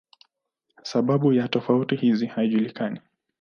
Sababu ya tofauti hizi haijulikani.